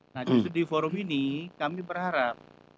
nah justru di forum ini kami berharap